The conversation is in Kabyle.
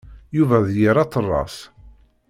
Yuba d yir aterras.